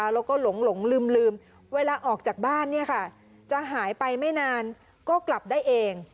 แล้วก็หลงลืมเวลาออกจากบ้านจะหายไปไม่นานก็กลับได้เอง